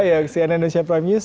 ya sian indonesia prime news